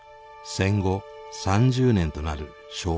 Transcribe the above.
戦後３０年となる昭和５０年。